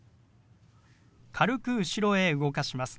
軽く後ろへ動かします。